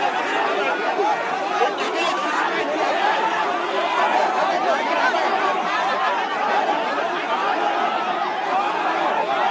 เมื่อสักครู่ที่ผ่านมาการปะทะกันไปมานะคะดึบดัดกันไปมาทำให้